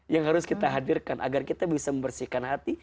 yang harus kita hadirkan agar kita bisa membersihkan hati